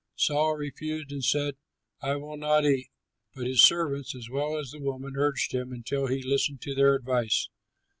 Saul refused and said, "I will not eat"; but his servants, as well as the woman, urged him, until he listened to their advice.